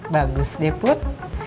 bagus deh put